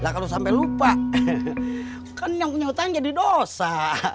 kalau sampai lupa kan yang punya hutang jadi dosa